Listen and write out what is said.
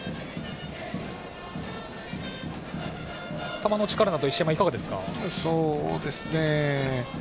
球の力など石山、いかがですか？